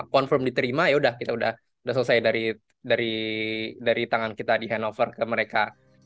confirm diterima yaudah kita udah selesai dari tangan kita di handover ke mereka